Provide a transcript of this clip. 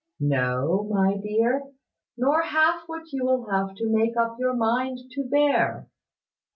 "No, my dear; nor half what you will have to make up your mind to bear.